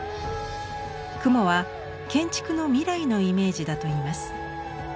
「雲は建築の未来のイメージ」だといいます。